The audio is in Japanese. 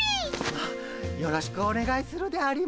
あよろしくお願いするであります。